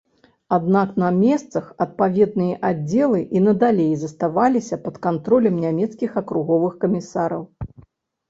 Аднак на месцах адпаведныя аддзелы і надалей заставаліся пад кантролем нямецкіх акруговых камісараў.